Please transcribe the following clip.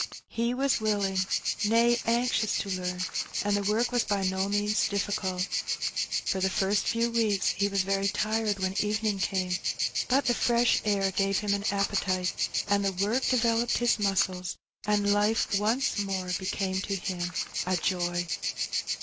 He was willing, nay, anxious to learn, and the work was by no means difficult. For the first few weeks he was very tired when evening came, but the fresh air gave him an appetite, and the work developed his muscles, and life once more became to him a joy.